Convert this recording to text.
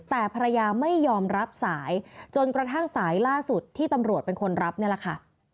แต่ภรรยาไม่ยอมรับสายจนกระทั่งสายล่าสุดที่ตำรวจเป็นคนรับนี่แหละค่ะ